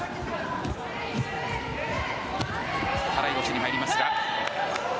払い腰に入りますが。